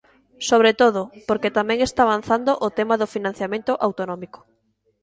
Sobre todo, porque tamén está avanzando o tema do financiamento autonómico.